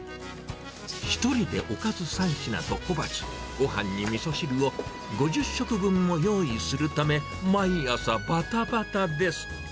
１人でおかず３品と小鉢、ごはんにみそ汁を５０食分も用意するため、毎朝ばたばたです。